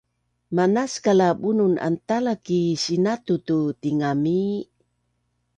Manaskal a bunun antala ki sinatu tu tingami